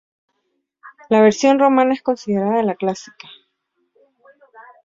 La versión romana es considerada la clásica.